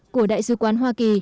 của đại sứ quán hoa kỳ